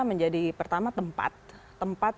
menjadi pertama tempat tempat